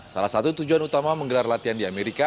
salah satu tujuan utama menggelar latihan di amerika